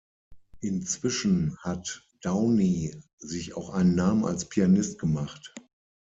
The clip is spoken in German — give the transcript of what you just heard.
Inzwischen hat Downie sich auch einen Namen als Pianist gemacht.